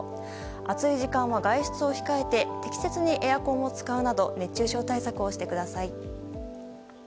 暑い時間は外出を控えて適切にエアコンを使うなど熱中症対策をしてください。